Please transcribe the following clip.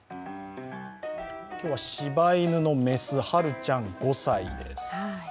今日はしば犬の雌、ハルちゃん５歳です。